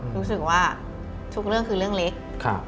รู้สึกว่าทุกเรื่องคือเรื่องเล็ก